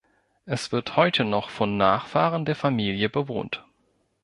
Es wird heute noch von Nachfahren der Familie bewohnt.